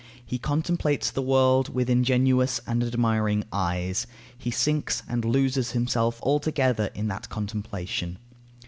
He contemplates the world with ingenuous and admiring eyes; he sinks and loses himself altogether in that contemplation.